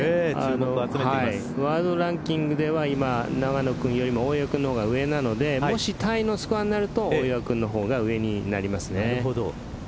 ワールドランキングでは今、永野君よりも大岩君の方が上なのでタイのスコアになると大岩君の方が上になりますね。